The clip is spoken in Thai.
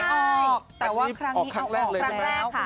ไม่ออกแต่ว่าครั้งนี้เอาออกครั้งแรกเลยนะฮะ